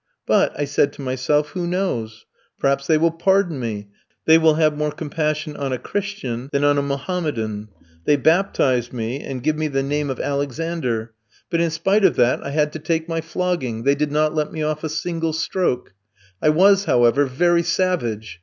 But,' I said to myself, 'who knows? perhaps they will pardon me, they will have more compassion on a Christian than on a Mohammedan. They baptized me, and give me the name of Alexander; but, in spite of that, I had to take my flogging; they did not let me off a single stroke; I was, however, very savage.